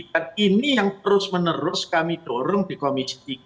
dan ini yang terus menerus kami dorong di komisi tiga